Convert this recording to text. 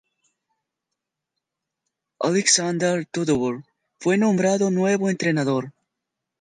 Aleksandar Todorov, fue nombrado nuevo entrenador.